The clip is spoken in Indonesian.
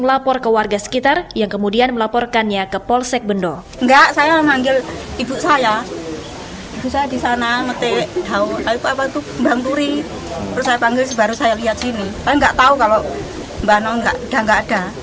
tapi tidak tahu kalau mbak nuri tidak ada